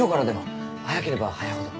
早ければ早いほど。